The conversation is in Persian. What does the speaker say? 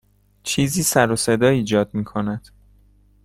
چیزی سر و صدا ایجاد می کند.